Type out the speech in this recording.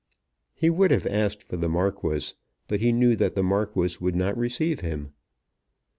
He would have asked for the Marquis, but he knew that the Marquis would not receive him.